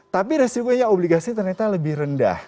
tapi resikonya obligasi ternyata lebih rendah